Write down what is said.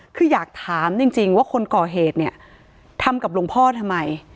คืออยากถามจริงว่าคนก่อเหตุเนี่ยทำกับหลวงพ่อทำไม